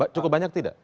cukup banyak tidak